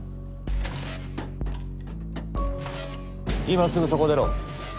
今すぐそこを出ろ。